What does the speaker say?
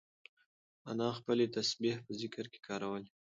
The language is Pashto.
انا خپلې تسبیح په ذکر کې کارولې.